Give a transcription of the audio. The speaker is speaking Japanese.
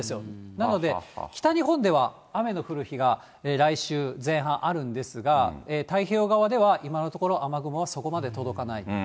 なので、北日本では雨の降る日が来週前半あるんですが、太平洋側では今のところ雨雲はそこまで届かない。